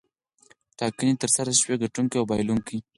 ټاکنې ترسره شوې ګټونکی او بایلونکی.